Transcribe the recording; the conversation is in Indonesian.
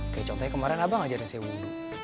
kayak contohnya kemarin abah ngajarin saya wudhu